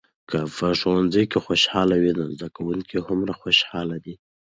که په ښوونځي کې خوشالي وي، نو زده کوونکي هومره خوشحال دي.